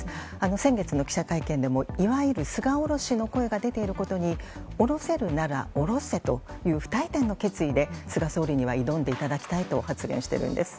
先月の記者会見でもいわゆる菅おろしの声が出ていることにおろせるならおろせという不退転の決意で菅総理には挑んでいただきたいと発言しているんです。